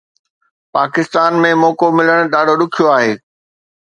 پاڪستان ۾ موقعو ملڻ ڏاڍو ڏکيو آهي